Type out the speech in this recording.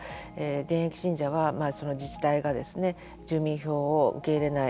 現役信者はその自治体がですね住民票を受け入れない。